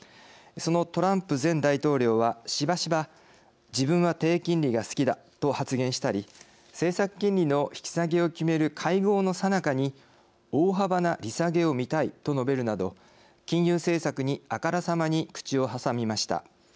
そのトランプ前大統領はしばしば自分は低金利が好きだと発言したり政策金利の引き下げを決める会合の最中に大幅な利下げを見たいと述べるなど、金融政策にあからさまに口をはさみました。